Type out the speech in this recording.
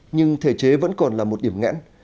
nhưng thể chế vẫn còn là một điểm ngãn